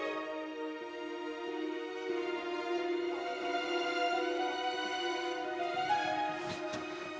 tidak ada masa